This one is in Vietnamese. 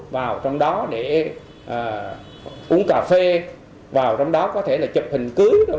vào trong đó để uống cà phê vào trong đó có thể là chụp hình cứu